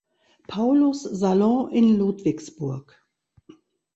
Paulus "Salon" in Ludwigsburg.